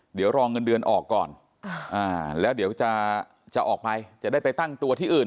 เดี๋ยวรอเงินเดือนออกก่อนแล้วเดี๋ยวจะออกไปจะได้ไปตั้งตัวที่อื่น